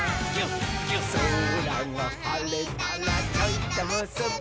「そらがはれたらちょいとむすび」